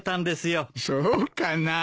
そうかな？